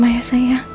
masih ada yang nunggu